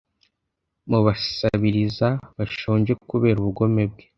Mubasabiriza bashonje kubera ubugome bwe